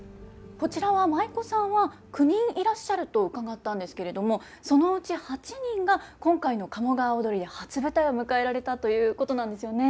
こちらは舞妓さんは９人いらっしゃると伺ったんですけれどもそのうち８人が今回の「鴨川をどり」で初舞台を迎えられたということなんですよね。